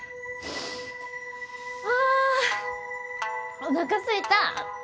あおなかすいた！